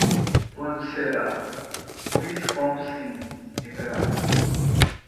Quando será Wisconsin temperado?